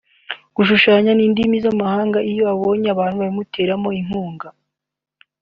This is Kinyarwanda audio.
gushushanya n’indimi z’amahanga iyo abonye ababimuteramo inkunga